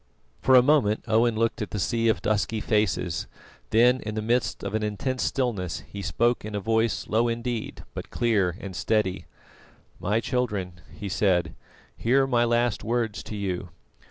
For a moment Owen looked at the sea of dusky faces, then in the midst of an intense stillness, he spoke in a voice low indeed but clear and steady: "My children," he said, "hear my last words to you.